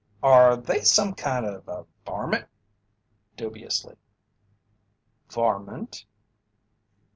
"Are they some kind of a varmint?" Dubiously. "Varmint?"